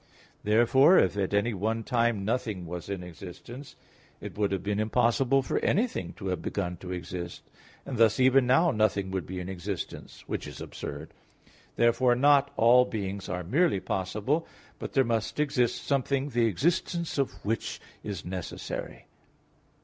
Therefore, if at one time nothing was in existence, it would have been impossible for anything to have begun to exist; and thus even now nothing would be in existence which is absurd. Therefore, not all beings are merely possible, but there must exist something the existence of which is necessary.